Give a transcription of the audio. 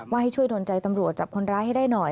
ให้ช่วยดนใจตำรวจจับคนร้ายให้ได้หน่อย